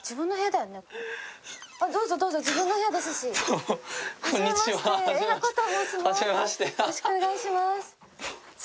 よろしくお願いします